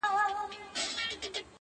• ما پور غوښتی تا نور غوښتی -